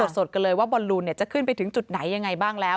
สดกันเลยว่าบอลลูนจะขึ้นไปถึงจุดไหนยังไงบ้างแล้ว